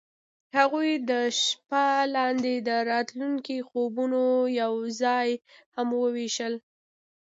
هغوی د شپه لاندې د راتلونکي خوبونه یوځای هم وویشل.